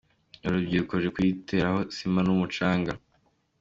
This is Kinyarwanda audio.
Uru rubyiruko ruri kuyiteraho sima n’umucanga.